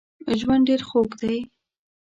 ژوند ډېر خوږ دی